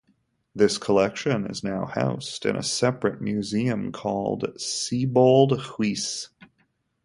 This collection is now housed in a separate museum called the "SieboldHuis".